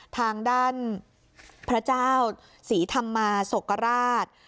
ทางด้านพระเจ้าศรีธรรมาศกราช